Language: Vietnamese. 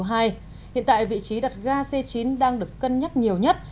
hiện tại vị trí đặt ga c chín đang được cân nhắc nhiều nhất